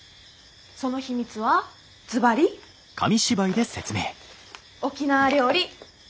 その秘密はずばり沖縄料理。